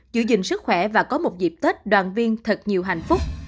giữ gìn sức khỏe và có một dịp tết đoàn viên thật nhiều hạnh phúc